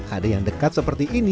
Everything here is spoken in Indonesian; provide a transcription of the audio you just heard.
ada yang dekat seperti ini